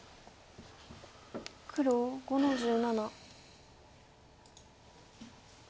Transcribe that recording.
黒５の十七。